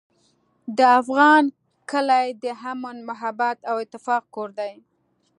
د افغان کلی د امن، محبت او اتفاق کور دی.